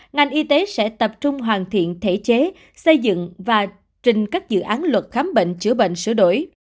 ngành y tế sẽ tập trung hoàn thiện thể chế xây dựng và trình các dự án luật khám bệnh chữa bệnh sửa đổi